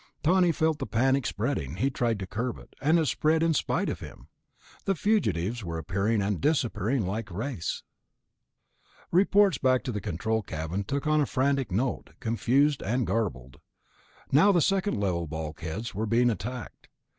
Tawney felt the panic spreading; he tried to curb it, and it spread in spite of him. The fugitives were appearing and disappearing like wraiths. Reports back to control cabin took on a frantic note, confused and garbled. Now the second level bulkheads were being attacked.